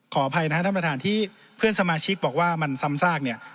ขออภัยนะครับท่านประธานที่เพื่อนสมาชิกบอกว่ามันซ้ำซากเนี่ย